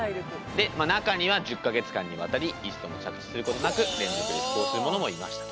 で中には１０か月間にわたり一度も着地することなく連続で飛行するものもいましたと。